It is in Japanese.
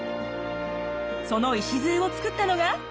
その礎を作ったのが。